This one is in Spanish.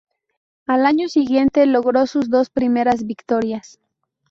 Al año siguiente logró sus dos primeras victorias.